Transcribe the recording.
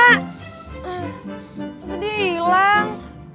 masih dia ilang